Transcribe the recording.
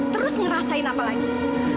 terus ngerasain apa lagi